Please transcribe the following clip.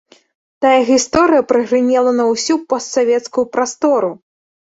Тая гісторыя прагрымела на ўсю постсавецкую прастору.